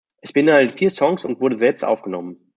Es beinhaltet vier Songs und wurde selbst aufgenommen.